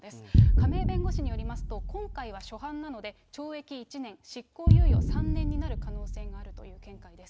亀井弁護士によりますと、今回は初犯なので、懲役１年、執行猶予３年になる可能性があるという見解です。